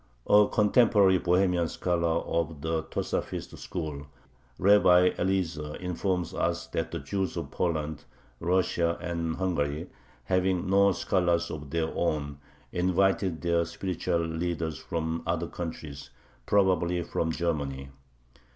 A contemporary Bohemian scholar of the Tosafist school, Rabbi Eliezer, informs us that the Jews of Poland, Russia, and Hungary, having no scholars of their own, invited their spiritual leaders from other countries, probably from Germany.